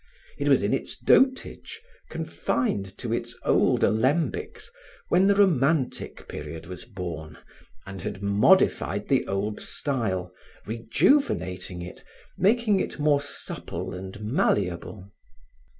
It was in its dotage, confined to its old alambics, when the romantic period was born and had modified the old style, rejuvenating it, making it more supple and malleable.